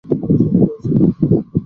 এই বাক্সগুলাতে আছে কী?